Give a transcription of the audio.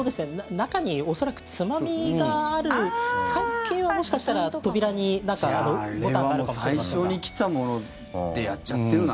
中に恐らく、つまみがある最近はもしかしたら扉に何かボタンがあるかもしれませんが。